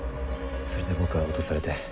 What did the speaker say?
それで僕は脅されて。